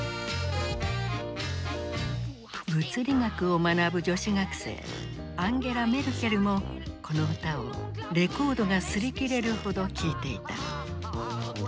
物理学を学ぶ女子学生アンゲラ・メルケルもこの歌をレコードが擦り切れるほど聴いていた。